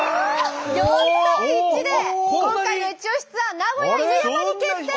４対１で今回のイチオシツアー名古屋犬山に決定！